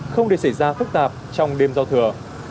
không để xảy ra phức tạp trong đêm giao thừa